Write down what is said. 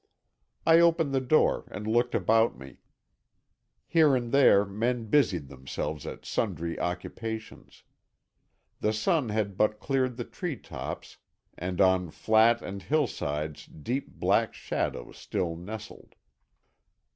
I opened the door and looked about me. Here and there men busied themselves at sundry occupations. The sun had but cleared the tree tops, and on flat and hillsides deep black shadows still nestled.